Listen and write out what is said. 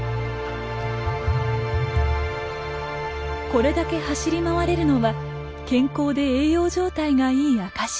これだけ走り回れるのは健康で栄養状態がいい証し。